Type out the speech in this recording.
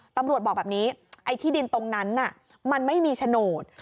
ตำรวจบอกแบบนี้ไอ้ที่ดินตรงนั้นมันไม่มีโฉนด